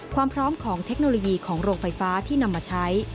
ความพร้อมของเทคโนโลยีของโรงไฟฟ้าที่นำมาใช้